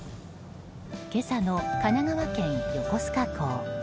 今朝の神奈川県横須賀港。